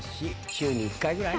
週に１回ぐらい？